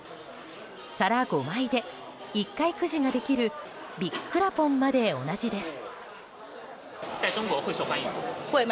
皿５枚で１回くじができるビッくらポン！まで同じです。